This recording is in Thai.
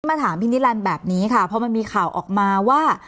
มาถามพี่นิรันดิ์แบบนี้ค่ะพอมันมีข่าวออกมาว่า